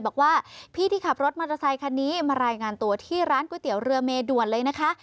บอกว่าพี่ที่ขับรถมอเตอร์ไซคันนี้มารายงานตัวที่ร้านก๋วยเตี๋ยวเรือเมด่วนเลยนะคะ